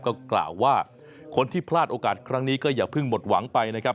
ก็กล่าวว่าคนที่พลาดโอกาสครั้งนี้ก็อย่าเพิ่งหมดหวังไปนะครับ